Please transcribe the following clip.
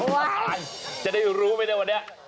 ว้ายจะได้รู้ไหมวันนี้